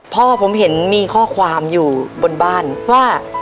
พ่อผมเห็นมีข้อความอยู่บนบ้านว่า